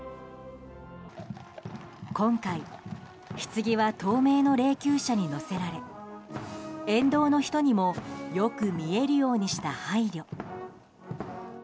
今回、ひつぎは透明の霊柩車に載せられ沿道の人にもよく見えるようにした配慮。